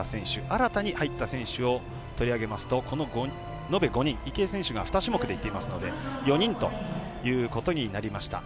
新たに入った選手を取り上げますと延べ５人、池江選手が２種目でいってますので４人ということになりました。